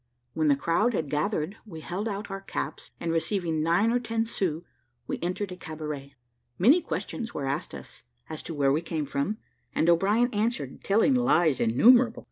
When the crowd had gathered, we held out our caps, and receiving nine or ten sous, we entered a cabaret. Many questions were asked us, as to where we came from, and O'Brien answered, telling lies innumerable.